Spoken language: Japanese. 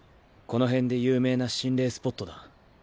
この辺で有名な心霊スポットだ。